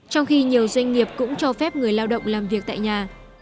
trong khi nhiều doanh nghiệp cũng cho phép người lao động làm việc tại nhà